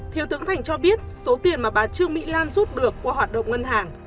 thiếu tướng thành cho biết số tiền mà bà trương mỹ lan rút được qua hoạt động ngân hàng